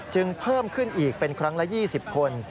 เพิ่มขึ้นอีกเป็นครั้งละ๒๐คน